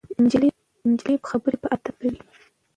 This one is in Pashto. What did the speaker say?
نجلۍ خبرې په ادب کوي.